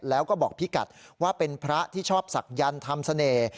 แล้วก็บอกพี่กัดว่าเป็นพระที่ชอบศักยันต์ทำเสน่ห์